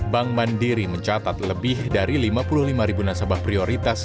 bank mandiri mencatat lebih dari lima puluh lima ribu nasabah prioritas